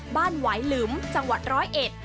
หวายหลุมจังหวัดร้อยเอ็ด